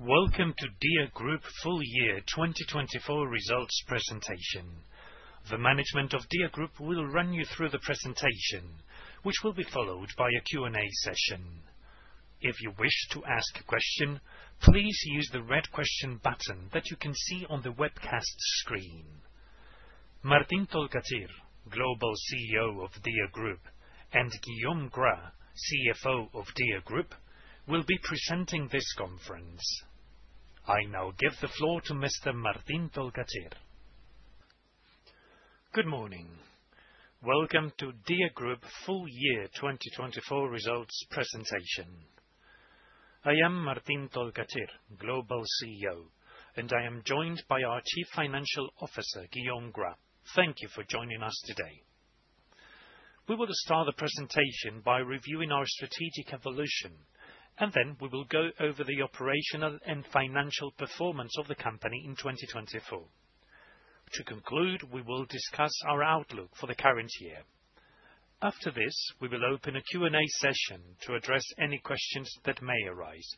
Welcome to Dia Group full year 2024 results presentation. The management of Dia Group will run you through the presentation, which will be followed by a Q&A session. If you wish to ask a question, please use the red question button that you can see on the webcast screen. Martín Tolcachir, Global CEO of Dia Group, and Guillaume Gras, CFO of Dia Group, will be presenting this conference. I now give the floor to Mr. Martín Tolcachir. Good morning. Welcome to Dia Group full year 2024 results presentation. I am Martín Tolcachir, Global CEO, and I am joined by our Chief Financial Officer, Guillaume Gras. Thank you for joining us today. We will start the presentation by reviewing our strategic evolution, and then we will go over the operational and financial performance of the company in 2024. To conclude, we will discuss our outlook for the current year. After this, we will open a Q&A session to address any questions that may arise.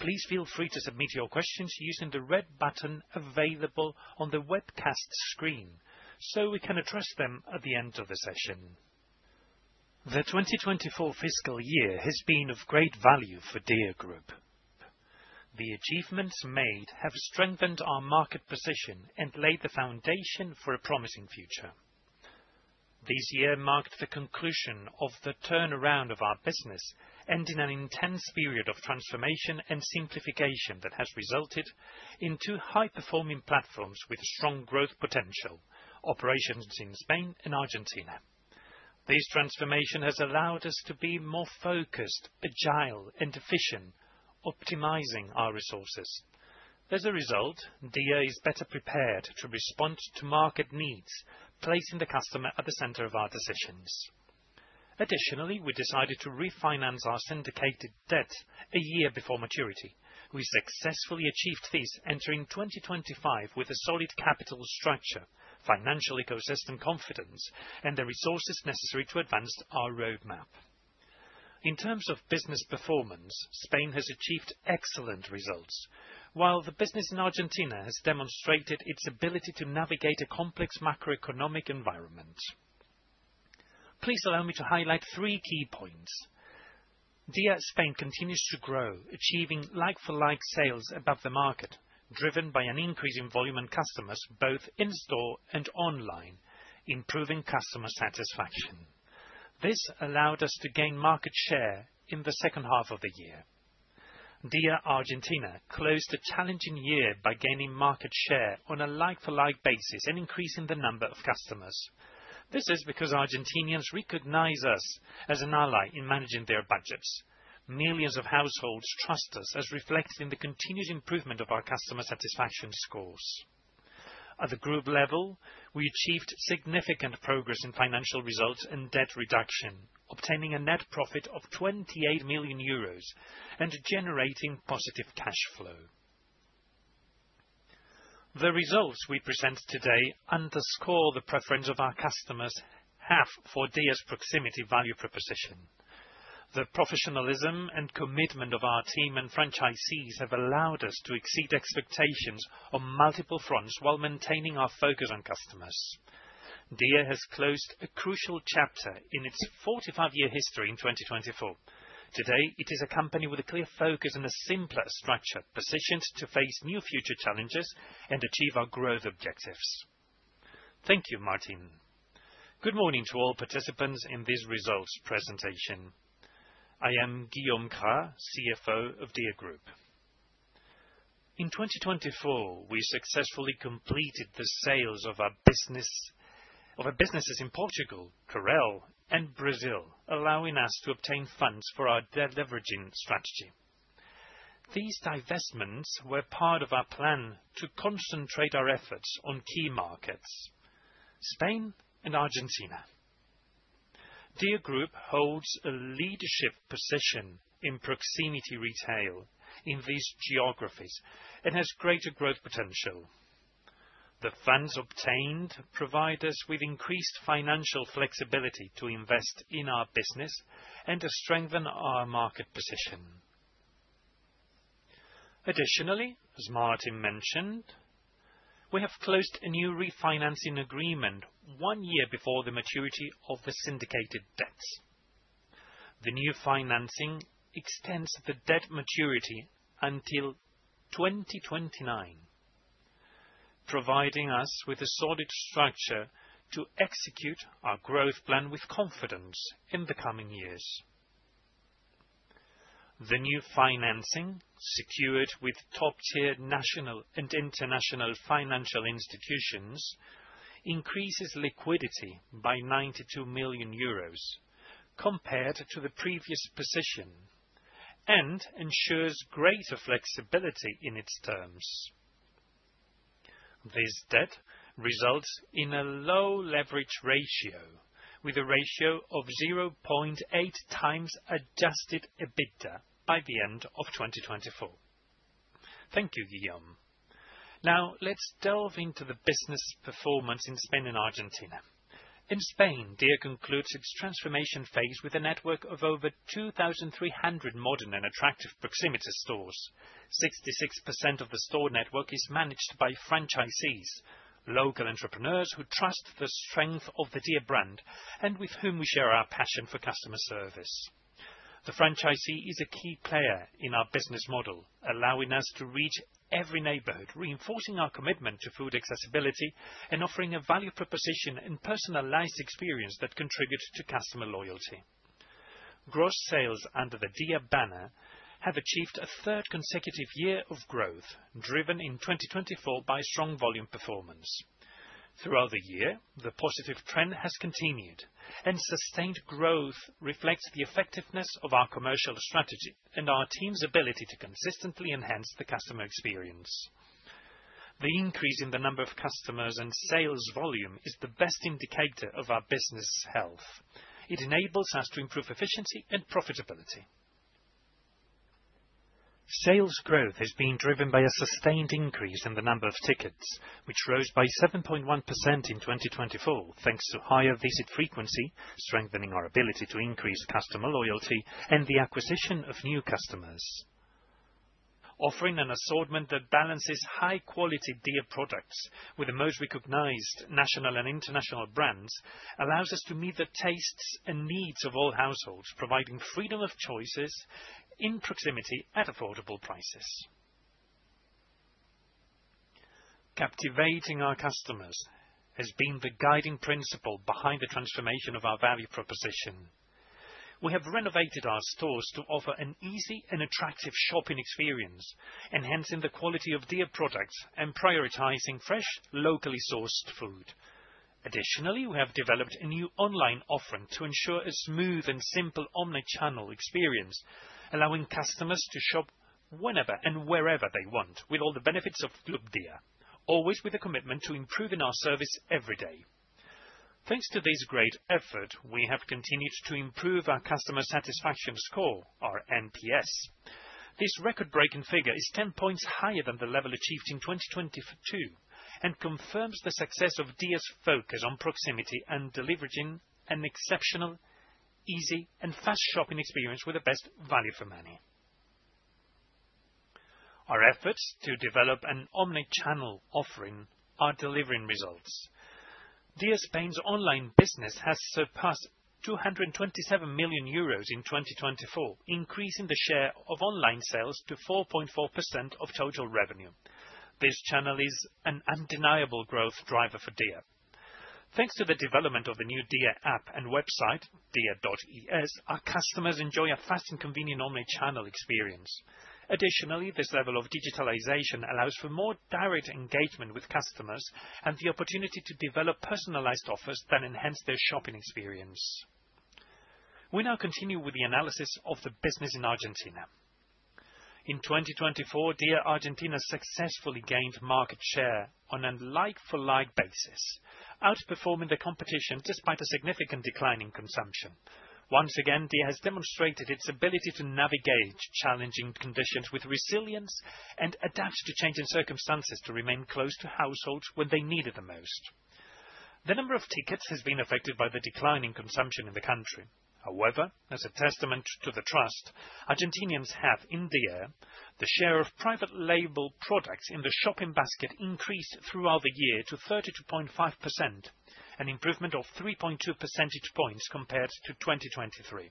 Please feel free to submit your questions using the red button available on the webcast screen so we can address them at the end of the session. The 2024 fiscal year has been of great value for Dia Group. The achievements made have strengthened our market position and laid the foundation for a promising future. This year marked the conclusion of the turnaround of our business, ending an intense period of transformation and simplification that has resulted in two high-performing platforms with strong growth potential: operations in Spain and Argentina. This transformation has allowed us to be more focused, agile, and efficient, optimizing our resources. As a result, Dia is better prepared to respond to market needs, placing the customer at the center of our decisions. Additionally, we decided to refinance our syndicated debt a year before maturity. We successfully achieved this, entering 2025 with a solid capital structure, financial ecosystem confidence, and the resources necessary to advance our roadmap. In terms of business performance, Spain has achieved excellent results, while the business in Argentina has demonstrated its ability to navigate a complex macroeconomic environment. Please allow me to highlight three key points. Dia Spain continues to grow, achieving like-for-like sales above the market, driven by an increase in volume and customers both in-store and online, improving customer satisfaction. This allowed us to gain market share in the second half of the year. Dia Argentina closed a challenging year by gaining market share on a like-for-like basis and increasing the number of customers. This is because Argentinians recognize us as an ally in managing their budgets. Millions of households trust us, as reflected in the continued improvement of our customer satisfaction scores. At the group level, we achieved significant progress in financial results and debt reduction, obtaining a net profit of 28 million euros and generating positive cash flow. The results we present today underscore the preference our customers have for Dia's proximity value proposition. The professionalism and commitment of our team and franchisees have allowed us to exceed expectations on multiple fronts while maintaining our focus on customers. Dia has closed a crucial chapter in its 45-year history in 2024. Today, it is a company with a clear focus and a simpler structure, positioned to face new future challenges and achieve our growth objectives. Thank you, Martín. Good morning to all participants in this results presentation. I am Guillaume Gras, CFO of Dia Group. In 2024, we successfully completed the sales of our businesses in Portugal, Clarel, and Brazil, allowing us to obtain funds for our debt leveraging strategy. These divestments were part of our plan to concentrate our efforts on key markets: Spain and Argentina. Dia Group holds a leadership position in proximity retail in these geographies and has greater growth potential. The funds obtained provide us with increased financial flexibility to invest in our business and to strengthen our market position. Additionally, as Martín mentioned, we have closed a new refinancing agreement one year before the maturity of the syndicated debts. The new financing extends the debt maturity until 2029, providing us with a solid structure to execute our growth plan with confidence in the coming years. The new financing, secured with top-tier national and international financial institutions, increases liquidity by 92 million euros compared to the previous position and ensures greater flexibility in its terms. This debt results in a low leverage ratio with a ratio of 0.8 times Adjusted EBITDA by the end of 2024. Thank you, Guillaume. Now, let's delve into the business performance in Spain and Argentina. In Spain, Dia concludes its transformation phase with a network of over 2,300 modern and attractive proximity stores. 66% of the store network is managed by franchisees, local entrepreneurs who trust the strength of the Dia brand and with whom we share our passion for customer service. The franchisee is a key player in our business model, allowing us to reach every neighborhood, reinforcing our commitment to food accessibility and offering a value proposition and personalized experience that contribute to customer loyalty. Gross sales under the Dia banner have achieved a third consecutive year of growth, driven in 2024 by strong volume performance. Throughout the year, the positive trend has continued, and sustained growth reflects the effectiveness of our commercial strategy and our team's ability to consistently enhance the customer experience. The increase in the number of customers and sales volume is the best indicator of our business health. It enables us to improve efficiency and profitability. Sales growth has been driven by a sustained increase in the number of tickets, which rose by 7.1% in 2024, thanks to higher visit frequency, strengthening our ability to increase customer loyalty and the acquisition of new customers. Offering an assortment that balances high-quality Dia products with the most recognized national and international brands allows us to meet the tastes and needs of all households, providing freedom of choices in proximity at affordable prices. Captivating our customers has been the guiding principle behind the transformation of our value proposition. We have renovated our stores to offer an easy and attractive shopping experience, enhancing the quality of Dia products and prioritizing fresh, locally sourced food. Additionally, we have developed a new online offering to ensure a smooth and simple omnichannel experience, allowing customers to shop whenever and wherever they want, with all the benefits of Club Dia, always with a commitment to improving our service every day. Thanks to this great effort, we have continued to improve our customer satisfaction score, our NPS. This record-breaking figure is 10 points higher than the level achieved in 2022 and confirms the success of Dia's focus on proximity and delivering an exceptional, easy, and fast shopping experience with the best value for money. Our efforts to develop an omnichannel offering are delivering results. Dia Spain's online business has surpassed 227 million euros in 2024, increasing the share of online sales to 4.4% of total revenue. This channel is an undeniable growth driver for Dia. Thanks to the development of the new Dia app and website, dia.es, our customers enjoy a fast and convenient omnichannel experience. Additionally, this level of digitalization allows for more direct engagement with customers and the opportunity to develop personalized offers that enhance their shopping experience. We now continue with the analysis of the business in Argentina. In 2024, Dia Argentina successfully gained market share on a like-for-like basis, outperforming the competition despite a significant decline in consumption. Once again, Dia has demonstrated its ability to navigate challenging conditions with resilience and adapt to changing circumstances to remain close to households when they need it the most. The number of tickets has been affected by the decline in consumption in the country. However, as a testament to the trust Argentinians have in Dia, the share of private label products in the shopping basket increased throughout the year to 32.5%, an improvement of 3.2 percentage points compared to 2023.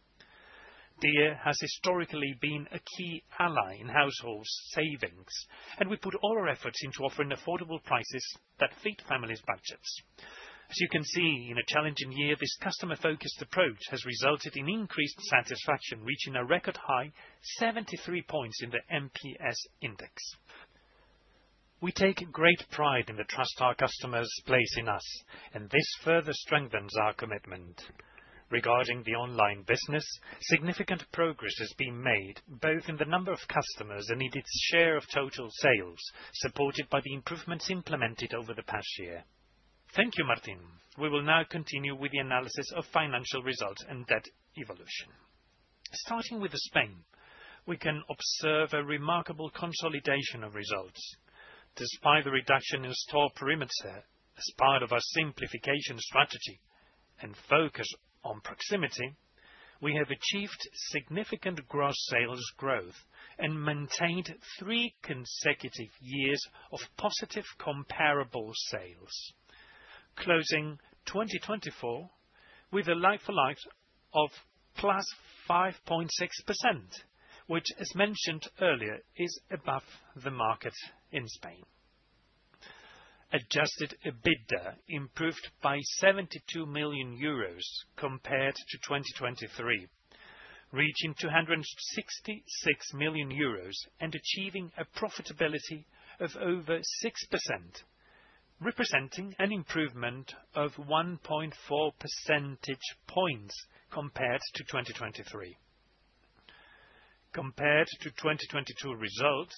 Dia has historically been a key ally in household savings, and we put all our efforts into offering affordable prices that fit families' budgets. As you can see, in a challenging year, this customer-focused approach has resulted in increased satisfaction, reaching a record high, 73 points in the NPS index. We take great pride in the trust our customers place in us, and this further strengthens our commitment. Regarding the online business, significant progress has been made, both in the number of customers and in its share of total sales, supported by the improvements implemented over the past year. Thank you, Martín. We will now continue with the analysis of financial results and debt evolution. Starting with Spain, we can observe a remarkable consolidation of results. Despite the reduction in store perimeter, as part of our simplification strategy and focus on proximity, we have achieved significant gross sales growth and maintained three consecutive years of positive comparable sales, closing 2024 with a like-for-like of +5.6%, which, as mentioned earlier, is above the market in Spain. Adjusted EBITDA improved by 72 million euros compared to 2023, reaching 266 million euros and achieving a profitability of over 6%, representing an improvement of 1.4 percentage points compared to 2023. Compared to 2022 results,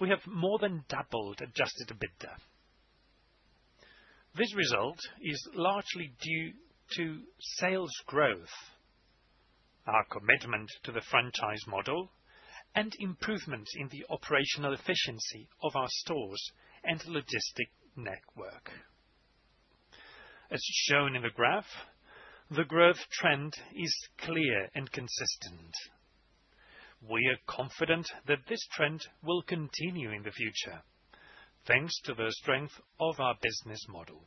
we have more than doubled adjusted EBITDA. This result is largely due to sales growth, our commitment to the franchise model, and improvements in the operational efficiency of our stores and logistic network. As shown in the graph, the growth trend is clear and consistent. We are confident that this trend will continue in the future, thanks to the strength of our business model.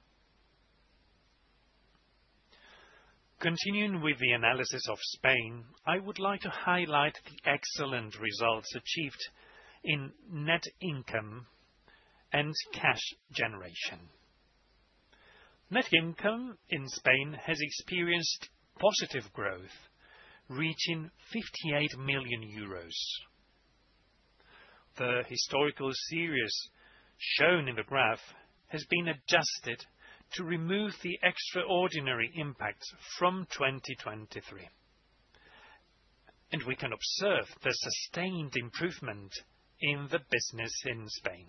Continuing with the analysis of Spain, I would like to highlight the excellent results achieved in net income and cash generation. Net income in Spain has experienced positive growth, reaching 58 million euros. The historical series shown in the graph has been adjusted to remove the extraordinary impact from 2023, and we can observe the sustained improvement in the business in Spain.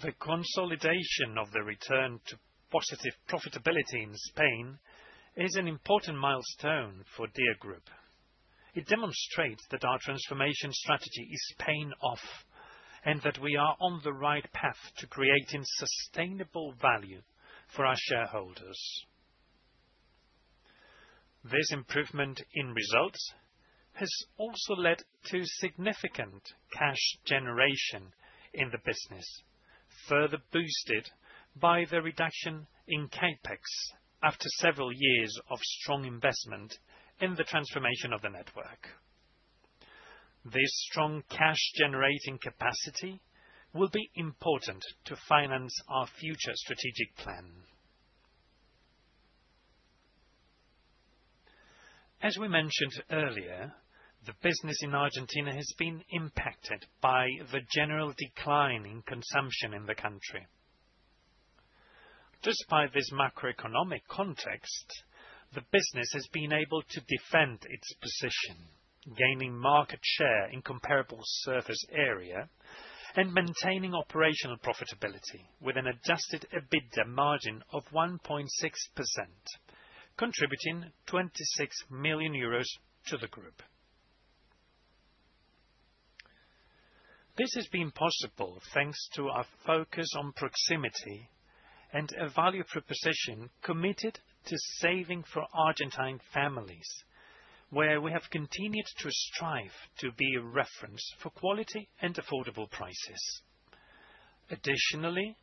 The consolidation of the return to positive profitability in Spain is an important milestone for Dia Group. It demonstrates that our transformation strategy is paying off and that we are on the right path to creating sustainable value for our shareholders. This improvement in results has also led to significant cash generation in the business, further boosted by the reduction in CapEx after several years of strong investment in the transformation of the network. This strong cash-generating capacity will be important to finance our future strategic plan. As we mentioned earlier, the business in Argentina has been impacted by the general decline in consumption in the country. Despite this macroeconomic context, the business has been able to defend its position, gaining market share in comparable surface area and maintaining operational profitability with an Adjusted EBITDA margin of 1.6%, contributing 26 million euros to the group. This has been possible thanks to our focus on proximity and a value proposition committed to saving for Argentine families, where we have continued to strive to be a reference for quality and affordable prices. Additionally,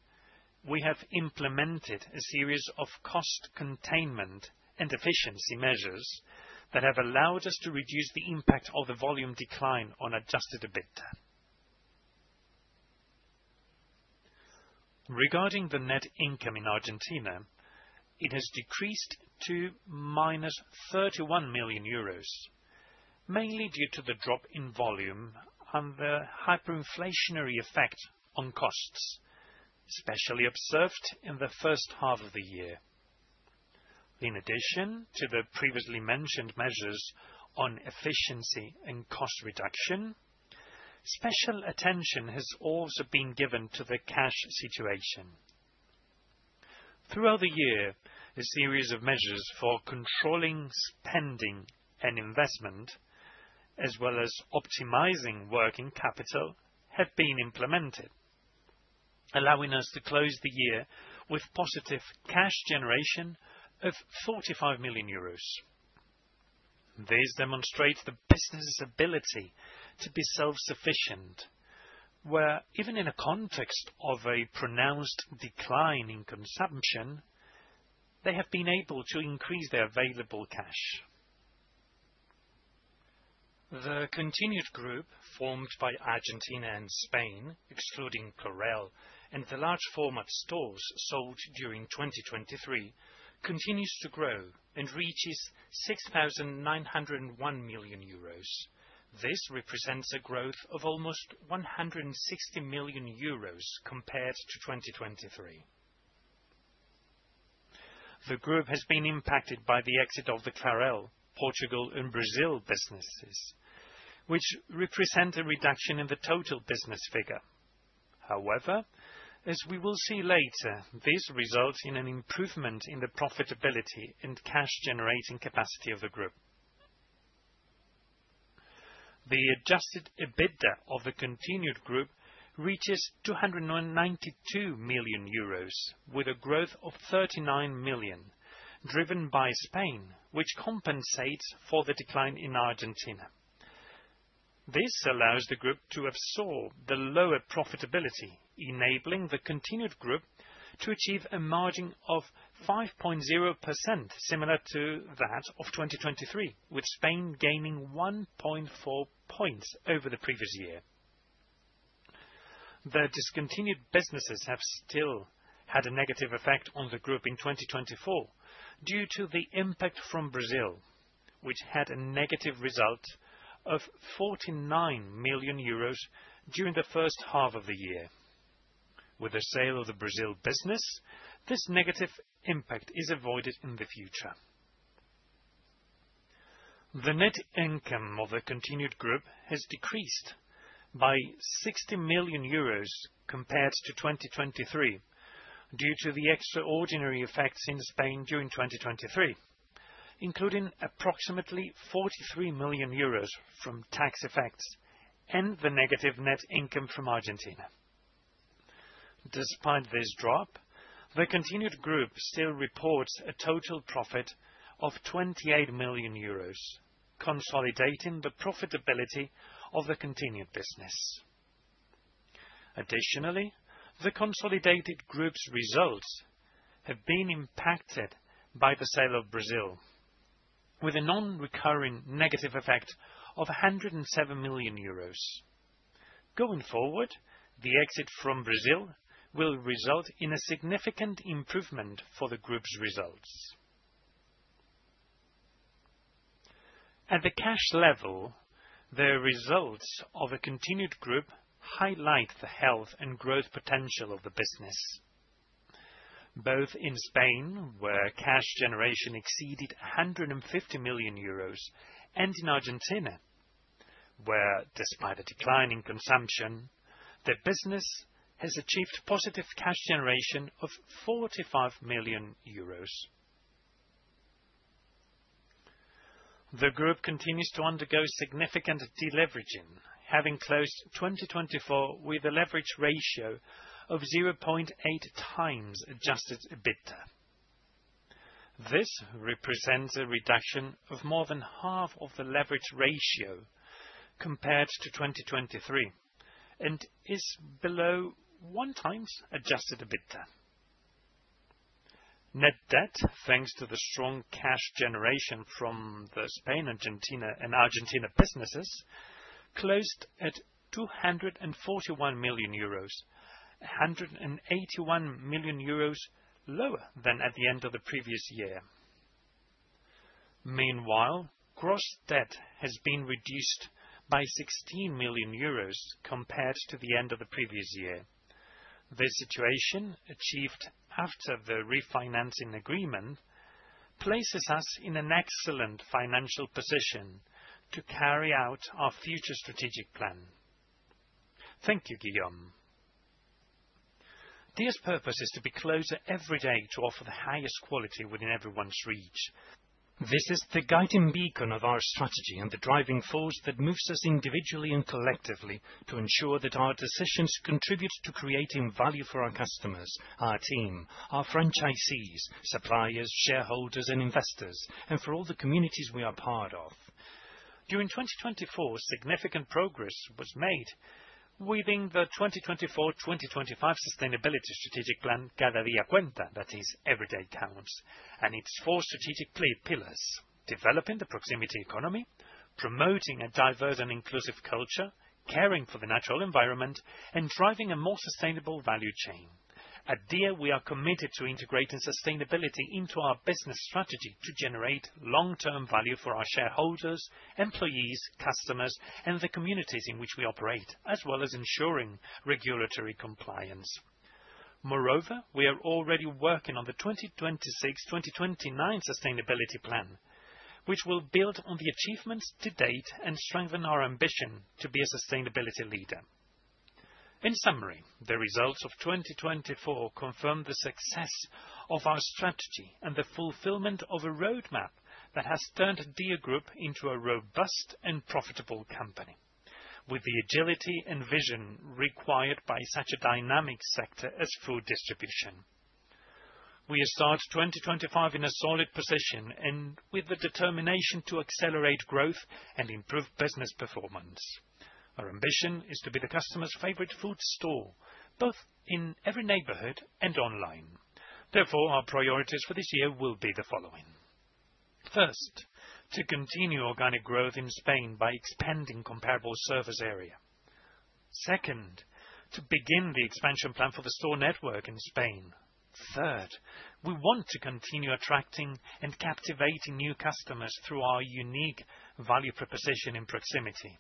we have implemented a series of cost containment and efficiency measures that have allowed us to reduce the impact of the volume decline on Adjusted EBITDA. Regarding the net income in Argentina, it has decreased to -31 million euros, mainly due to the drop in volume and the hyperinflationary effect on costs, especially observed in the first half of the year. In addition to the previously mentioned measures on efficiency and cost reduction, special attention has also been given to the cash situation. Throughout the year, a series of measures for controlling spending and investment, as well as optimizing working capital, have been implemented, allowing us to close the year with positive cash generation of 45 million euros. This demonstrates the business's ability to be self-sufficient, where even in a context of a pronounced decline in consumption, they have been able to increase their available cash. The continued group formed by Argentina and Spain, excluding Clarel, and the large format stores sold during 2023 continues to grow and reaches 6,901 million euros. This represents a growth of almost 160 million euros compared to 2023. The group has been impacted by the exit of the Clarel, Portugal, and Brazil businesses, which represent a reduction in the total business figure. However, as we will see later, this results in an improvement in the profitability and cash-generating capacity of the group. The Adjusted EBITDA of the continued group reaches 292 million euros, with a growth of 39 million, driven by Spain, which compensates for the decline in Argentina. This allows the group to absorb the lower profitability, enabling the continued group to achieve a margin of 5.0%, similar to that of 2023, with Spain gaining 1.4 percentage points over the previous year. The discontinued businesses have still had a negative effect on the group in 2024 due to the impact from Brazil, which had a negative result of 49 million euros during the first half of the year. With the sale of the Brazil business, this negative impact is avoided in the future. The net income of the continued group has decreased by 60 million euros compared to 2023 due to the extraordinary effects in Spain during 2023, including approximately 43 million euros from tax effects and the negative net income from Argentina. Despite this drop, the continued group still reports a total profit of 28 million euros, consolidating the profitability of the continued business. Additionally, the consolidated group's results have been impacted by the sale of Brazil, with a non-recurring negative effect of 107 million euros. Going forward, the exit from Brazil will result in a significant improvement for the group's results. At the cash level, the results of the continued group highlight the health and growth potential of the business, both in Spain, where cash generation exceeded 150 million euros, and in Argentina, where, despite a decline in consumption, the business has achieved positive cash generation of 45 million euros. The group continues to undergo significant deleveraging, having closed 2024 with a leverage ratio of 0.8 times Adjusted EBITDA. This represents a reduction of more than half of the leverage ratio compared to 2023 and is below one times Adjusted EBITDA. Net debt, thanks to the strong cash generation from the Spain, Argentina, and Argentina businesses, closed at 241 million euros, 181 million euros lower than at the end of the previous year. Meanwhile, gross debt has been reduced by 16 million euros compared to the end of the previous year. This situation, achieved after the refinancing agreement, places us in an excellent financial position to carry out our future strategic plan. Thank you, Guillaume. Dia's purpose is to be close every day to offer the highest quality within everyone's reach. This is the guiding beacon of our strategy and the driving force that moves us individually and collectively to ensure that our decisions contribute to creating value for our customers, our team, our franchisees, suppliers, shareholders, and investors, and for all the communities we are part of. During 2024, significant progress was made within the 2024-2025 sustainability strategic plan, Cada Día Cuenta, that is, Every Day Counts, and its four strategic pillars, developing the proximity economy, promoting a diverse and inclusive culture, caring for the natural environment, and driving a more sustainable value chain. At Dia, we are committed to integrating sustainability into our business strategy to generate long-term value for our shareholders, employees, customers, and the communities in which we operate, as well as ensuring regulatory compliance. Moreover, we are already working on the 2026-2029 sustainability plan, which will build on the achievements to date and strengthen our ambition to be a sustainability leader. In summary, the results of 2024 confirm the success of our strategy and the fulfillment of a roadmap that has turned Dia Group into a robust and profitable company, with the agility and vision required by such a dynamic sector as food distribution. We have started 2025 in a solid position and with the determination to accelerate growth and improve business performance. Our ambition is to be the customer's favorite food store, both in every neighborhood and online. Therefore, our priorities for this year will be the following: First, to continue organic growth in Spain by expanding comparable surface area. Second, to begin the expansion plan for the store network in Spain. Third, we want to continue attracting and captivating new customers through our unique value proposition in proximity.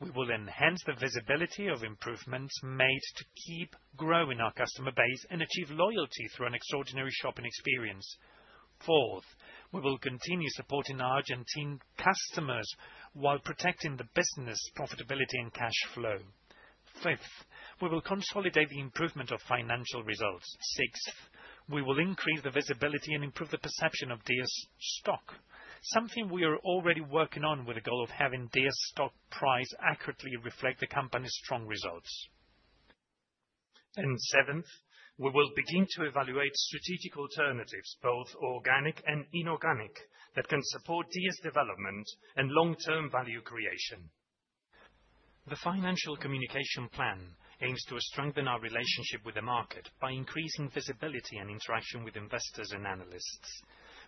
We will enhance the visibility of improvements made to keep growing our customer base and achieve loyalty through an extraordinary shopping experience. Fourth, we will continue supporting Argentine customers while protecting the business profitability and cash flow. Fifth, we will consolidate the improvement of financial results. Sixth, we will increase the visibility and improve the perception of Dia's stock, something we are already working on with the goal of having Dia's stock price accurately reflect the company's strong results. Seventh, we will begin to evaluate strategic alternatives, both organic and inorganic, that can support Dia's development and long-term value creation. The financial communication plan aims to strengthen our relationship with the market by increasing visibility and interaction with investors and analysts.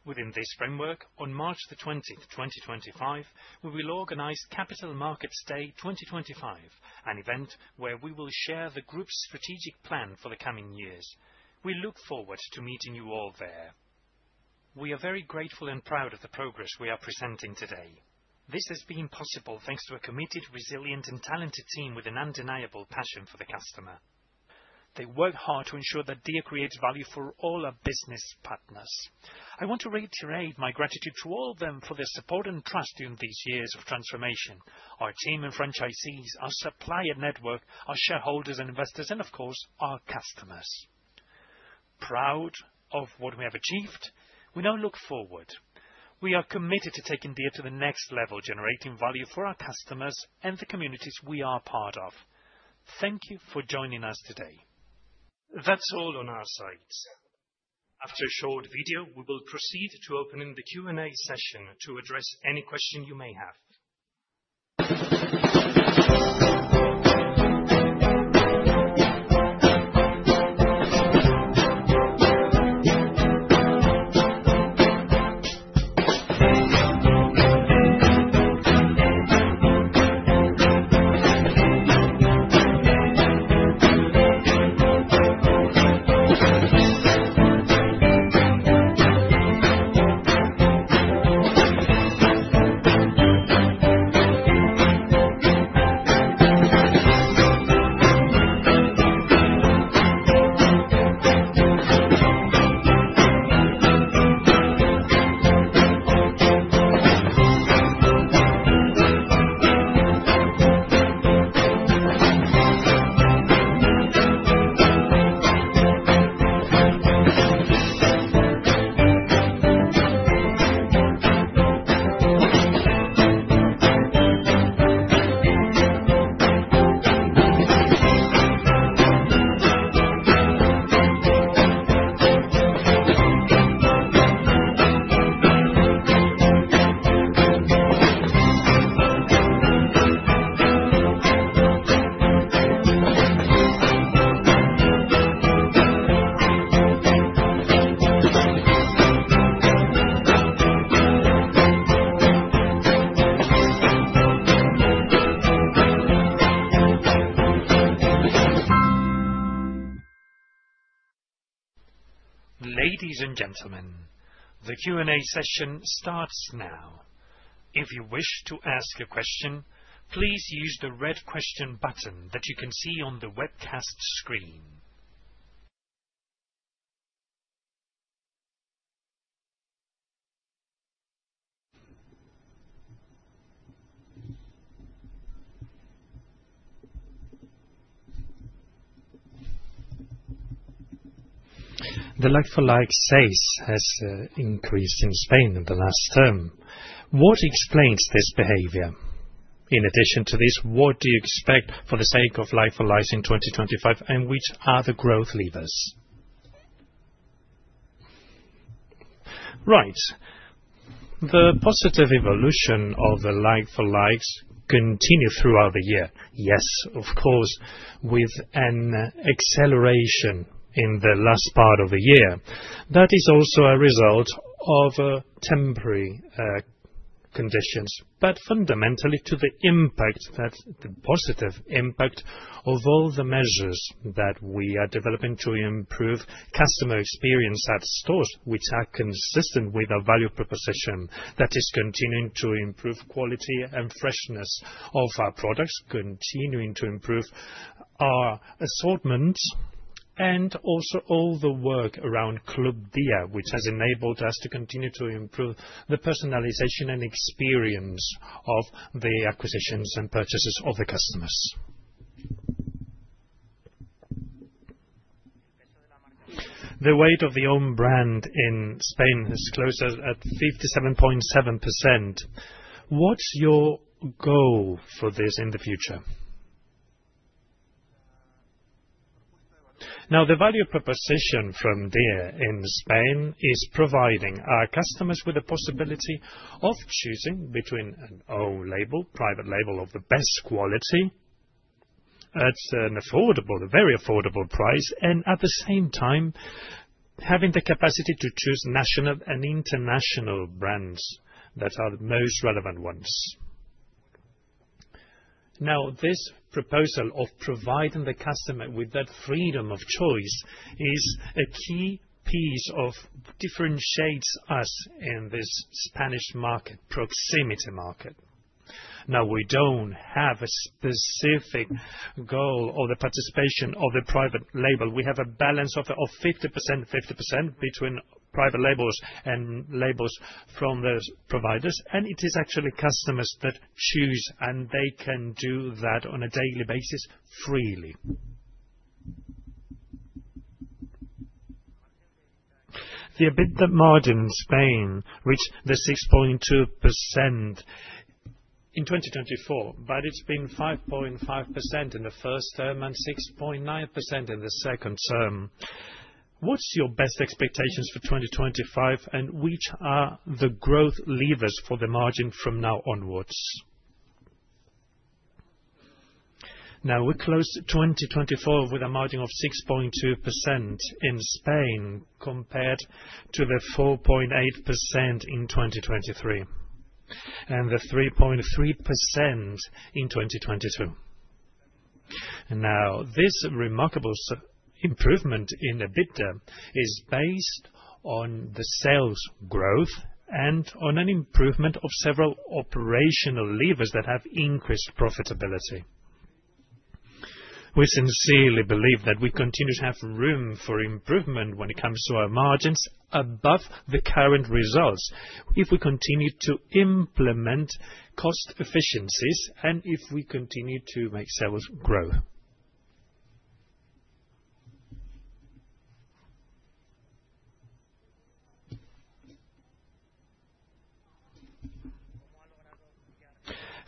Within this framework, on March 20, 2025, we will organize Capital Markets Day 2025, an event where we will share the group's strategic plan for the coming years. We look forward to meeting you all there. We are very grateful and proud of the progress we are presenting today. This has been possible thanks to a committed, resilient, and talented team with an undeniable passion for the customer. They work hard to ensure that Dia creates value for all our business partners. I want to reiterate my gratitude to all of them for their support and trust during these years of transformation: our team and franchisees, our supplier network, our shareholders and investors, and of course, our customers. Proud of what we have achieved, we now look forward. We are committed to taking Dia to the next level, generating value for our customers and the communities we are part of. Thank you for joining us today. That's all on our side. After a short video, we will proceed to opening the Q&A session to address any questions you may have. Ladies and gentlemen, the Q&A session starts now. If you wish to ask a question, please use the red question button that you can see on the webcast screen. The like-for-like sales has increased in Spain in the last term. What explains this behavior? In addition to this, what do you expect for the like-for-like in 2025, and which are the growth levers? Right. The positive evolution of the like-for-like continues throughout the year. Yes, of course, with an acceleration in the last part of the year. That is also a result of temporary conditions, but fundamentally to the impact, that the positive impact of all the measures that we are developing to improve customer experience at stores, which are consistent with our value proposition, that is continuing to improve quality and freshness of our products, continuing to improve our assortment, and also all the work around Club Dia, which has enabled us to continue to improve the personalization and experience of the acquisitions and purchases of the customers. The weight of the own brand in Spain is closer at 57.7%. What's your goal for this in the future? Now, the value proposition from Dia in Spain is providing our customers with the possibility of choosing between an own label, private label of the best quality at an affordable, very affordable price, and at the same time, having the capacity to choose national and international brands that are the most relevant ones. Now, this proposal of providing the customer with that freedom of choice is a key piece of differentiates us in this Spanish market, proximity market. Now, we don't have a specific goal of the participation of the private label. We have a balance of 50%, 50% between private labels and labels from the providers, and it is actually customers that choose, and they can do that on a daily basis freely. The EBITDA margin in Spain reached 6.2% in 2024, but it's been 5.5% in the first term and 6.9% in the second term. What's your best expectations for 2025, and which are the growth levers for the margin from now onwards? Now, we closed 2024 with a margin of 6.2% in Spain compared to 4.8% in 2023 and 3.3% in 2022. Now, this remarkable improvement in EBITDA is based on the sales growth and on an improvement of several operational levers that have increased profitability. We sincerely believe that we continue to have room for improvement when it comes to our margins above the current results if we continue to implement cost efficiencies and if we continue to make sales grow.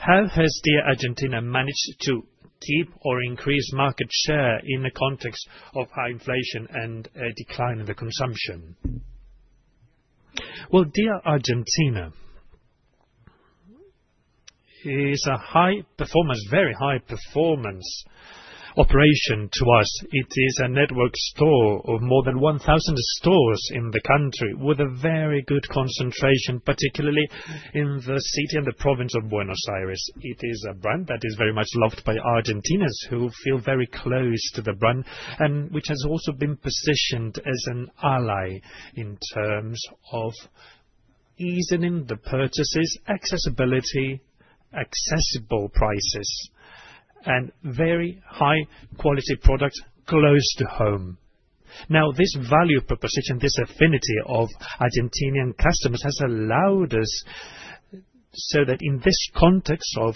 How has Dia Argentina managed to keep or increase market share in the context of high inflation and a decline in the consumption? Dia Argentina is a high performance, very high performance operation to us. It is a network store of more than 1,000 stores in the country with a very good concentration, particularly in the city and the province of Buenos Aires. It is a brand that is very much loved by Argentinians who feel very close to the brand, and which has also been positioned as an ally in terms of easing the purchases, accessibility, accessible prices, and very high-quality products close to home. Now, this value proposition, this affinity of Argentinian customers has allowed us so that in this context of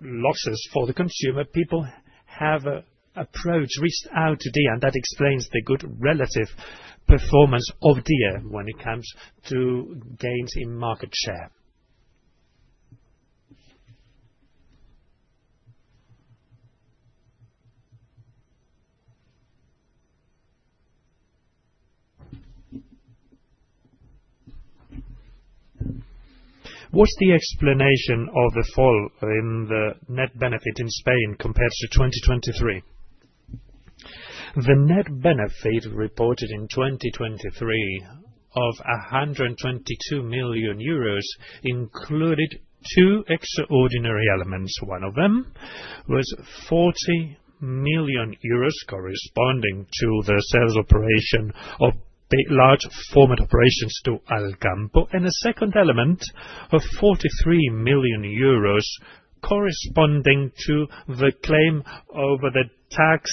losses for the consumer, people have approached out to Dia, and that explains the good relative performance of Dia when it comes to gains in market share. What's the explanation of the fall in the net benefit in Spain compared to 2023? The net benefit reported in 2023 of 122 million euros included two extraordinary elements. One of them was 40 million euros corresponding to the sales operation of large format operations to AlCampo, and a second element of 43 million euros corresponding to the claim over the tax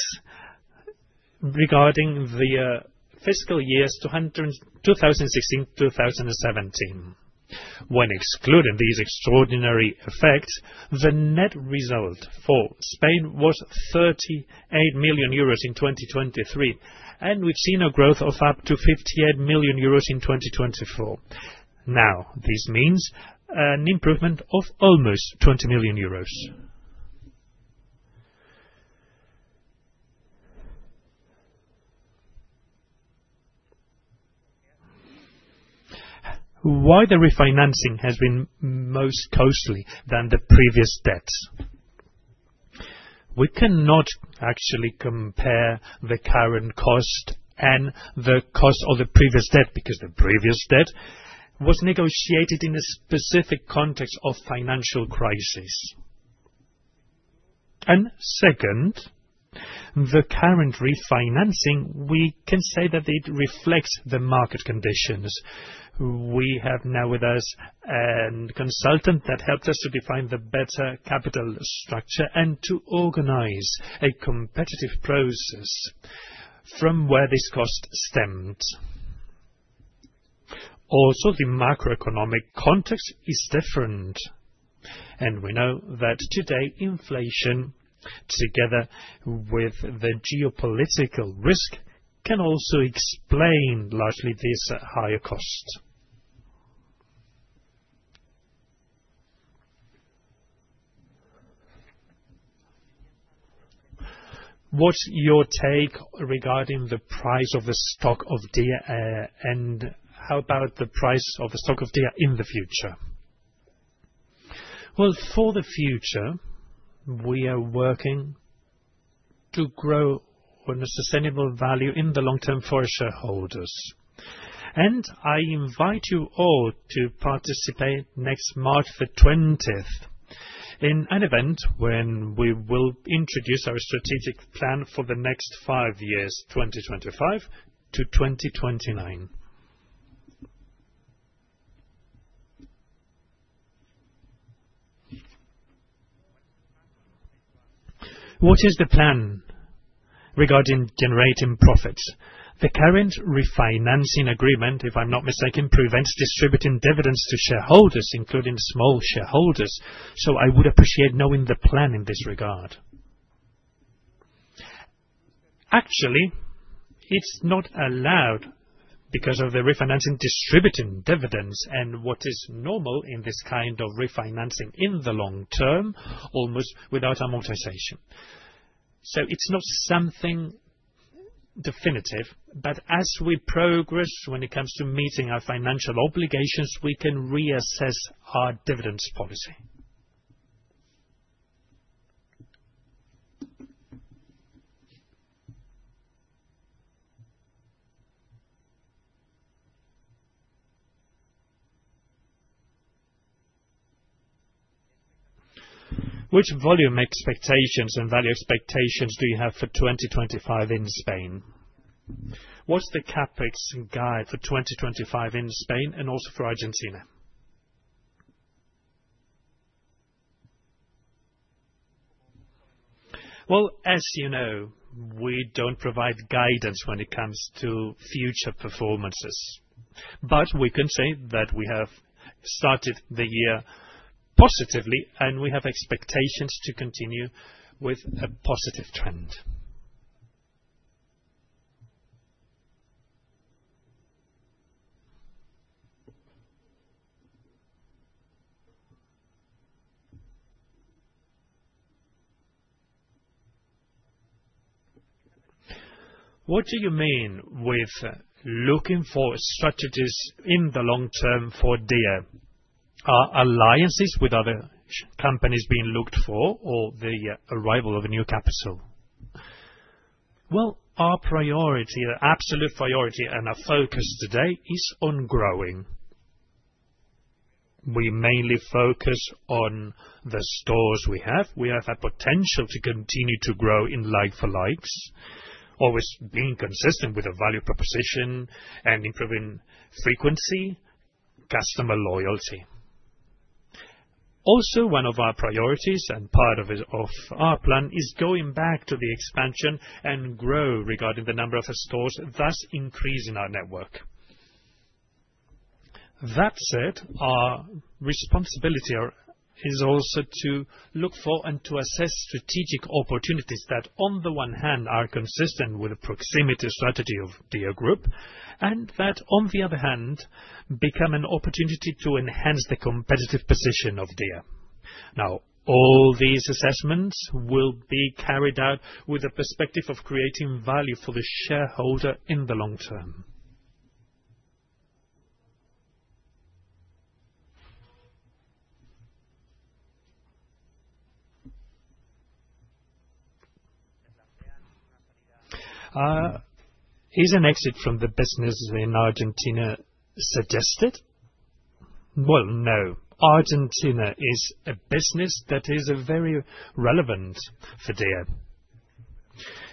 regarding the fiscal years 2016-2017. When excluding these extraordinary effects, the net result for Spain was 38 million euros in 2023, and we've seen a growth of up to 58 million euros in 2024. Now, this means an improvement of almost 20 million euros. Why the refinancing has been most costly than the previous debts? We cannot actually compare the current cost and the cost of the previous debt because the previous debt was negotiated in a specific context of financial crisis. Second, the current refinancing, we can say that it reflects the market conditions. We have now with us a consultant that helped us to define the better capital structure and to organize a competitive process from where this cost stemmed. Also, the macroeconomic context is different, and we know that today inflation, together with the geopolitical risk, can also explain largely this higher cost. What is your take regarding the price of the stock of Dia, and how about the price of the stock of Dia in the future? For the future, we are working to grow a sustainable value in the long term for our shareholders. I invite you all to participate next March 20 in an event when we will introduce our strategic plan for the next five years, 2025 to 2029. What is the plan regarding generating profits? The current refinancing agreement, if I am not mistaken, prevents distributing dividends to shareholders, including small shareholders. I would appreciate knowing the plan in this regard. Actually, it's not allowed because of the refinancing distributing dividends and what is normal in this kind of refinancing in the long term, almost without amortization. It's not something definitive, but as we progress when it comes to meeting our financial obligations, we can reassess our dividends policy. Which volume expectations and value expectations do you have for 2025 in Spain? What's the CapEx guide for 2025 in Spain and also for Argentina? As you know, we don't provide guidance when it comes to future performances, but we can say that we have started the year positively and we have expectations to continue with a positive trend. What do you mean with looking for strategies in the long term for Dia? Are alliances with other companies being looked for or the arrival of a new capital? Our priority, our absolute priority and our focus today is on growing. We mainly focus on the stores we have. We have a potential to continue to grow in like-for-likes, always being consistent with the value proposition and improving frequency, customer loyalty. Also, one of our priorities and part of our plan is going back to the expansion and grow regarding the number of stores, thus increasing our network. That said, our responsibility is also to look for and to assess strategic opportunities that, on the one hand, are consistent with the proximity strategy of Dia Group, and that, on the other hand, become an opportunity to enhance the competitive position of Dia. Now, all these assessments will be carried out with the perspective of creating value for the shareholder in the long term. Is an exit from the business in Argentina suggested? No. Argentina is a business that is very relevant for Dia.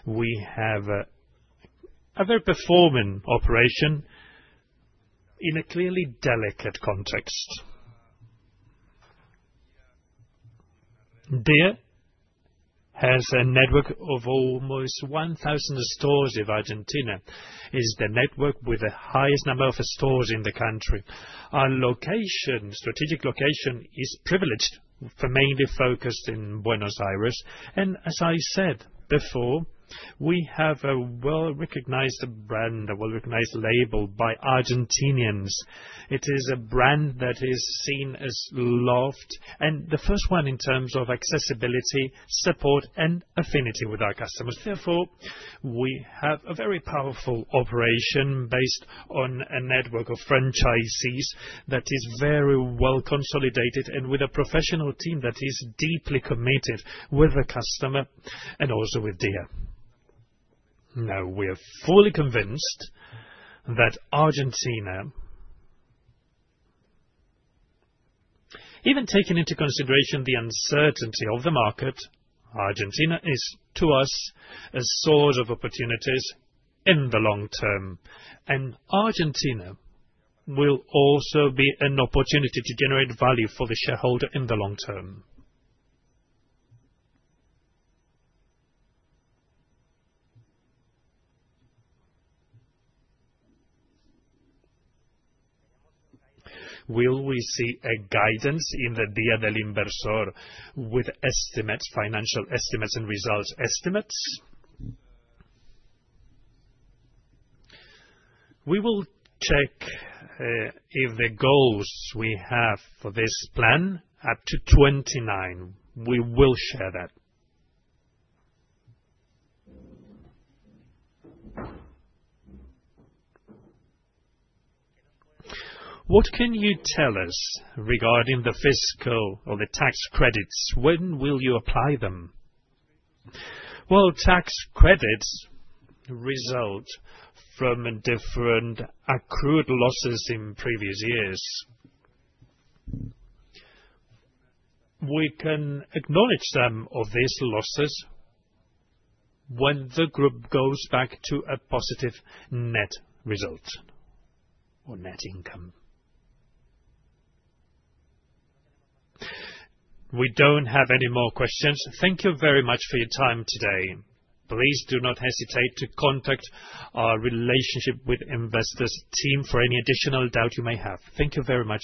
We have a very performing operation in a clearly delicate context. Dia has a network of almost 1,000 stores in Argentina. It is the network with the highest number of stores in the country. Our strategic location is privileged for mainly focused in Buenos Aires. As I said before, we have a well-recognized brand, a well-recognized label by Argentinians. It is a brand that is seen as loved and the first one in terms of accessibility, support, and affinity with our customers. Therefore, we have a very powerful operation based on a network of franchisees that is very well consolidated and with a professional team that is deeply committed with the customer and also with Dia. Now, we are fully convinced that Argentina, even taking into consideration the uncertainty of the market, Argentina is to us a source of opportunities in the long term. Argentina will also be an opportunity to generate value for the shareholder in the long term. Will we see a guidance in the Día del Inversor with estimates, financial estimates and results estimates? We will check if the goals we have for this plan are up to 2029. We will share that. What can you tell us regarding the fiscal or the tax credits? When will you apply them? Tax credits result from different accrued losses in previous years. We can acknowledge some of these losses when the group goes back to a positive net result or net income. We don't have any more questions. Thank you very much for your time today. Please do not hesitate to contact our relationship with investors team for any additional doubt you may have. Thank you very much.